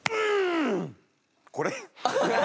これ？